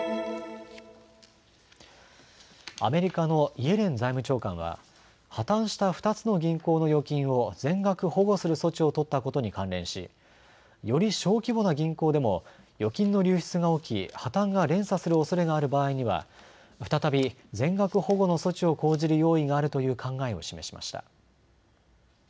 アメリカのイエレン財務長官は破綻した２つの銀行の預金を全額保護する措置を取ったことに関連しより小規模な銀行でも預金の流出が起き破綻が連鎖するおそれがある場合には再び全額保護の措置を講じる用意があるという考えを示しました。